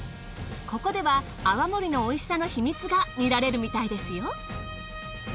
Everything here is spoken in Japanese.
ここでは泡盛のおいしさの秘密が見られるみたいですよ。